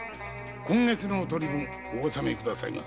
今月のお取り分お納め下さいませ。